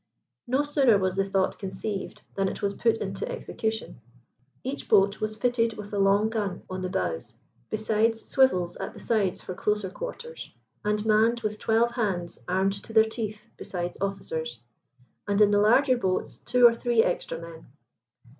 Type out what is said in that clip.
No sooner was the thought conceived than it was put into execution. Each boat was fitted with a long gun on the bows, besides swivels at the sides for closer quarters, and manned with twelve hands armed to the teeth, besides officers; and in the larger boats two or three extra men.